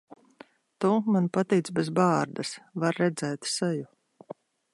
Tu man patīc bez bārdas. Var redzēt seju.